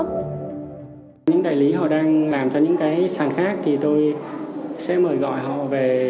những đại lý họ đang làm cho những cái sàn khác thì tôi sẽ mời gọi họ về